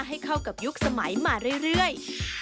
ให้เข้ากับยุคสมัยมาเรื่อย